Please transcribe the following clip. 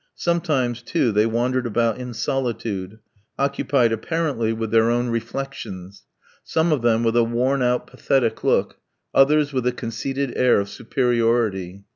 Sometimes, too, they wandered about in solitude, occupied apparently with their own reflections; some of them with a worn out, pathetic look, others with a conceited air of superiority.